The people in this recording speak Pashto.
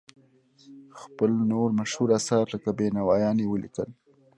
خپل نور مشهور اثار لکه بینوایان یې ولیکل.